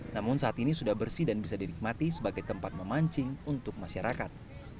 namun saat ini sudah bersih dan bisa dinikmati sebagai tempat memancing untuk masyarakat